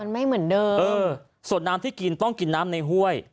มันไม่เหมือนเดิมเออส่วนน้ำที่กินต้องกินน้ำในห้วย